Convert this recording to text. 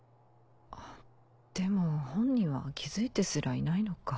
あでも本人は気付いてすらいないのか。